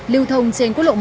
lưu thông trên quốc lộ một a